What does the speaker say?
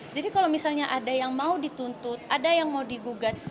kalau misalnya ada yang mau dituntut ada yang mau digugat